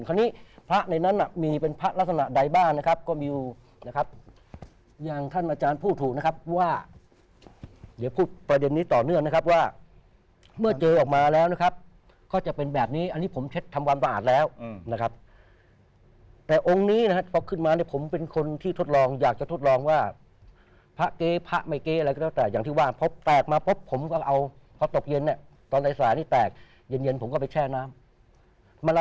คราวนี้พระในนั้นอ่ะมีเป็นพระลักษณะใดบ้านนะครับก็มีอยู่นะครับอย่างท่านอาจารย์พูดถูกนะครับว่าเดี๋ยวพูดประเด็นนี้ต่อเนื่องนะครับว่าเมื่อเจอออกมาแล้วนะครับก็จะเป็นแบบนี้อันนี้ผมเช็ดทำวันประอาจแล้วนะครับแต่องค์นี้นะครับพอขึ้นมาเนี่ยผมเป็นคนที่ทดลองอยากจะทดลองว่าพระเก๊พระไม่เก๊อะไรก็ต้องแต่อย่างท